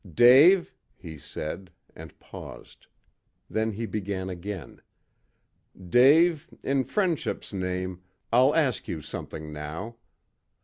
"Dave," he said, and paused. Then he began again. "Dave in friendship's name I'll ask you something now.